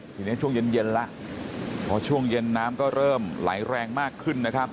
ทีนี้ช่วงเย็นเย็นแล้วพอช่วงเย็นน้ำก็เริ่มไหลแรงมากขึ้นนะครับ